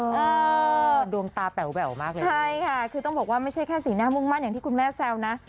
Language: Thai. เออดวงตาแป๋วแหววมากเลยใช่ค่ะคือต้องบอกว่าไม่ใช่แค่สีหน้ามุ่งมั่นอย่างที่คุณแม่แซวนะ